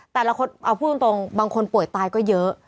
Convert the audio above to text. แต่ละคนเอาพูดตรงบางคนป่วยตายก็เยอะ